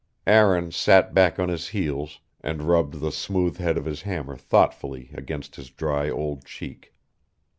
Aaron sat back on his heels, and rubbed the smooth head of his hammer thoughtfully against his dry old cheek.